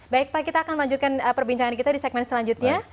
baik pak kita akan lanjutkan perbincangan kita di segmen selanjutnya